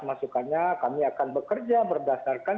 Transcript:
masukannya kami akan bekerja berdasarkan